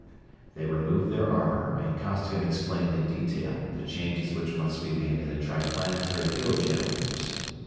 They removed their armor, and Costigan explained in detail the changes which must be made in the Triplanetary field generators.